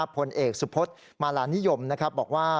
ผลเอกสุพศมาลานิยมบอกว่า